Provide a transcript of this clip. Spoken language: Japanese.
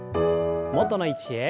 元の位置へ。